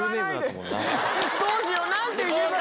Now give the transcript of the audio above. どうしよう何て言えば。